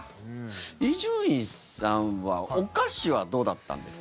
伊集院さんはお菓子はどうだったんですか？